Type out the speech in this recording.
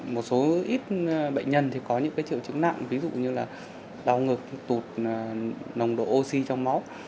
một số ít bệnh nhân thì có những triệu chứng nặng ví dụ như là đau ngực tụt nồng độ oxy trong máu